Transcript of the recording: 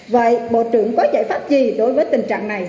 vậy bộ trưởng có giải pháp gì đối với tình trạng này